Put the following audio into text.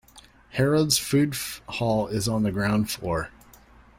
Harrods food hall is on the ground floor